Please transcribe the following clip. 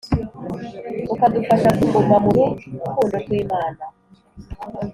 ukadufasha kuguma mu rukundo rw’Imana